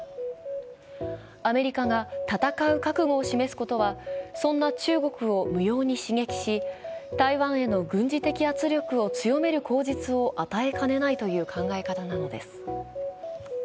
アメリカが戦う覚悟を示すことはそんな中国を無用に刺激し、台湾への軍事的圧力を強める口実を与えかねないという考え方なのです。